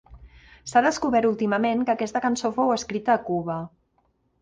S'ha descobert últimament que aquesta cançó fou escrita a Cuba.